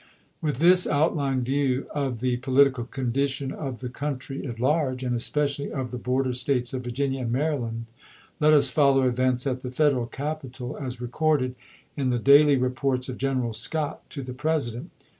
With this outline view of the political condition of the country at large, and especially of the border States of Virginia and Maryland, let us follow events at the Federal capital as recorded in the daily reports of General Scott to the President.